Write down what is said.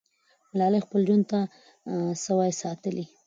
ملالۍ خپل ژوند نه سوای ساتلی.